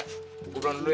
gue burung dulu ya